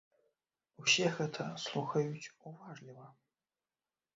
Усе гэта слухаюць уважліва.